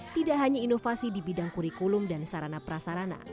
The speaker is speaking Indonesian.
tidak hanya inovasi di bidang kurikulum dan sarana prasarana